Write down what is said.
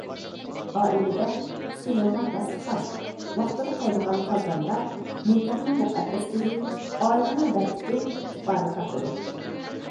ئائىلىدە سېلىنغان داستىخان، ۋاقتىدا قاينىغان قازاندا نىكاھنىڭ مۇقەددەسلىكى، ئائىلىنىڭ بەرىكىتى ئىپادە تاپىدۇ.